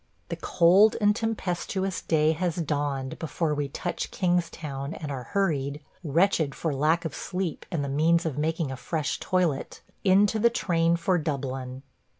The cold and tempestuous day has dawned before we touch Kingstown and are hurried – wretched for lack of sleep and the means of making a fresh toilet – into the train for Dublin.